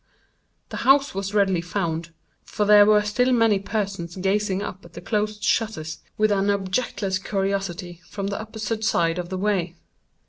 The house was readily found; for there were still many persons gazing up at the closed shutters, with an objectless curiosity, from the opposite side of the way.